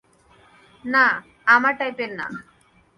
না আমার টাইপের না।